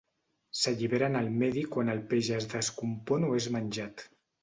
S'alliberen al medi quan el peix es descompon o és menjat.